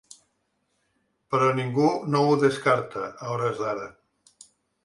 Però ningú no ho descarta, a hores d’ara.